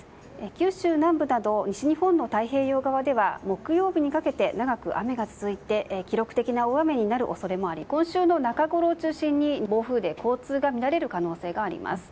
九州南部など西日本の太平洋側では木曜にかけて長く雨が続いて記録的な大雨になる恐れもあり今週中ごろを中心に、暴風で交通が乱れる可能性があります。